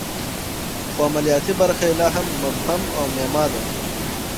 خو عملیاتي برخه یې لا هم مبهم او معما ده